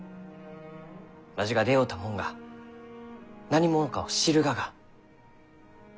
わしが出会うたもんが何者かを知るがが。